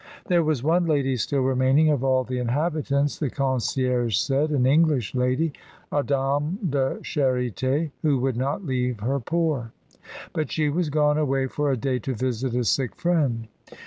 There was one lady still remaining of all the inhabitants, the concierge said, an English lady — a dame de char Hi, who would not leave her poor; but she was gone away for a day to visit a sick friend.